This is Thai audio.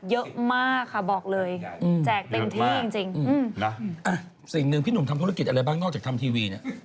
หมายถึงว่านอกนอนหรือควงการ